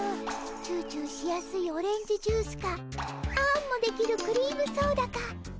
チューチューしやすいオレンジジュースかあんもできるクリームソーダか。